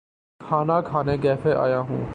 کھانا کھانے کیفے آیا ہوا ہوں۔